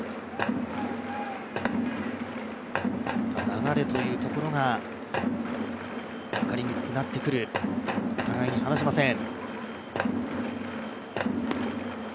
流れというところが分かりにくくなってくる、お互いに離しません。